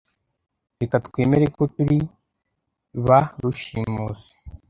Reka twemere ko turi ba rushimusi